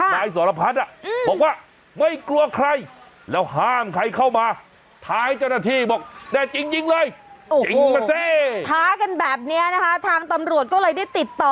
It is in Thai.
นายศโรภัทรบอกว่าให้เกิดแก่ปลอดภัย